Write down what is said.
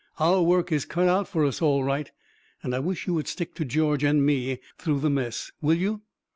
Our work is cut out for us, all right, and I wish you would stick to George and me through the mess. Will you?"